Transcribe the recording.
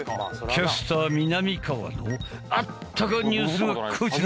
キャスターみなみかわの『あっ！たかニュース』こちら！